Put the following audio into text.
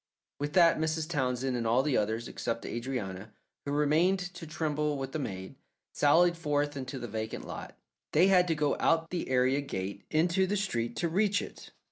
With that Mrs. Townsend and all the others, except Adrianna, who remained to tremble with the maid, sallied forth into the vacant lot. They had to go out the area gate into the street to reach it.